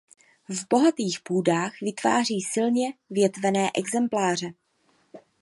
V bohatých půdách vytváří silně větvené exempláře.